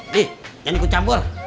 nih jangan ikut campur